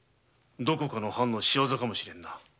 どこかの藩の仕業かもしれんな。